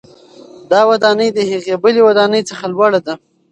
دا ودانۍ د هغې بلې ودانۍ څخه لوړه ده.